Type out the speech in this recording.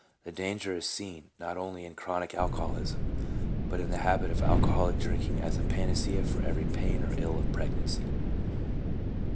The danger is seen, not only in chronic alcoholism, but in the habit of alcoholic drinking as a panacea for every pain or ill of pregnancy.